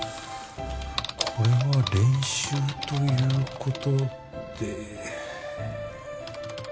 「これは練習ということで」